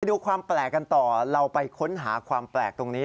ดูความแปลกกันต่อเราไปค้นหาความแปลกตรงนี้